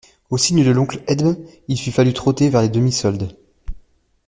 Au signe de l'oncle Edme, il lui fallut trotter vers les demi-soldes.